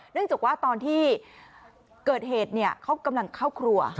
จากว่าตอนที่เกิดเหตุเขากำลังเข้าครัว